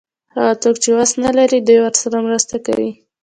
هغه څوک چې وس نه لري دی ورسره مرسته کوي.